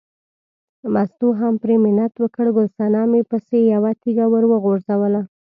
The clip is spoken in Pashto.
مستو هم پرې منت وکړ، ګل صنمې پسې یوه تیږه ور وغورځوله.